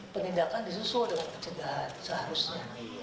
penindakan disusul dengan pencegahan seharusnya